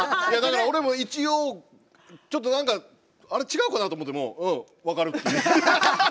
いやだから俺も一応ちょっと何かあれ違うかな？と思っても「うん分かる」って。